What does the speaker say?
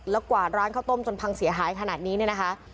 แล้วกวาดร้านข้าวต้มจนพังเสียหายขนาดนี้เนี่ยนะคะ